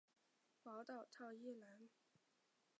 宝岛套叶兰为兰科套叶兰属下的一个种。